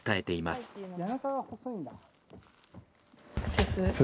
すす。